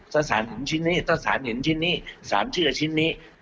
ถ้าสารเห็นชิ้นนี้ถ้าสารเห็นชิ้นนี้สารเชื่อชิ้นนี้